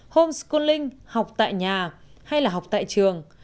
homeschooling học tại nhà hay là học tại trường